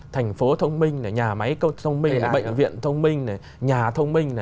thành phố thông minh nhà máy thông minh bệnh viện thông minh nhà thông minh